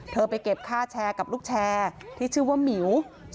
ไปเก็บค่าแชร์กับลูกแชร์ที่ชื่อว่าหมิว